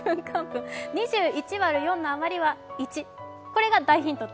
２１割る４のあまりは１、これが大ヒント。